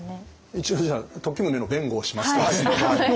一応じゃあ時宗の弁護をしますとですね。